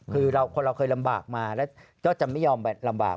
คือคนเราเคยลำบากมาแล้วก็จะไม่ยอมลำบาก